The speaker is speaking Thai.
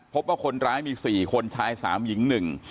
พบว่าคนร้ายมี๔คนชาย๓หญิง๑